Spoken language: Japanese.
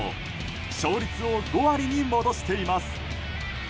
勝率を５割に戻しています。